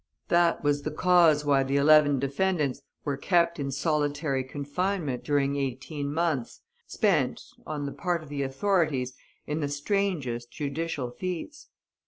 That was the cause why the eleven defendants were kept in solitary confinement during eighteen months, spent, on the part of the authorities, in the strangest judicial feats.